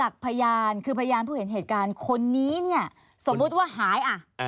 คนนี้สมมุติว่าหาย